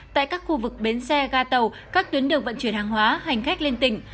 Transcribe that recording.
tại các khu vực bến xe ga tàu các tuyến đường vận chuyển hàng hóa hành khách lên tỉnh